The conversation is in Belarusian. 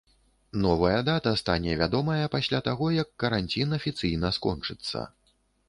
Новая дата стане вядомая пасля таго, як каранцін афіцыйна скончыцца.